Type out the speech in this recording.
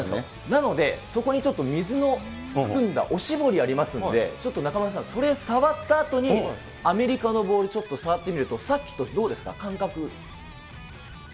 なのでそこにちょっと水を含んだおしぼりありますので、ちょっと中丸さん、それ触ったあとにアメリカのボール、ちょっと触ってみると、さっきとどうですか、感覚。